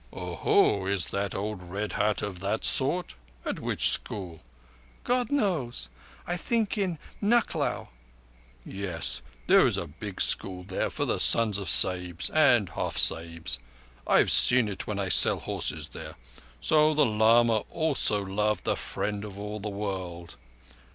"Oho! Is old Red Hat of that sort? At which school?" "God knows. I think in Nucklao." "Yes. There is a big school there for the sons of Sahibs—and half Sahibs. I have seen it when I sell horses there. So the lama also loved the Friend of all the World?"